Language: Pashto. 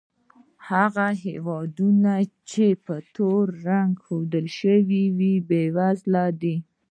هغه هېوادونه چې په تور رنګ ښودل شوي، بېوزله دي.